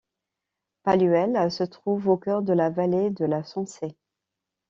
Palluel se trouve au cœur de la vallée de la Sensée.